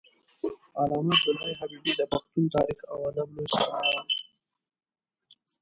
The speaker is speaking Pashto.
علامه عبدالحی حبیبي د پښتون تاریخ او ادب لوی سرمایه و